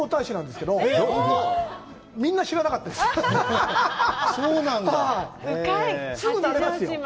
すぐなれますよ。